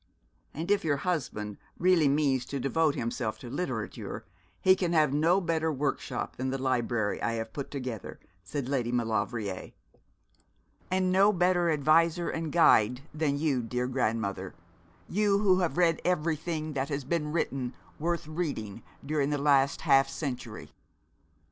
'And if your husband really means to devote himself to literature, he can have no better workshop than the library I have put together,' said Lady Maulevrier. 'And no better adviser and guide than you, dear grandmother, you who have read everything that has been written worth reading during the last half century.'